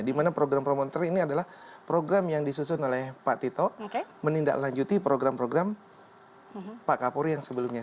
dimana program promoter ini adalah program yang disusun oleh pak tito menindaklanjuti program program pak kapolri yang sebelumnya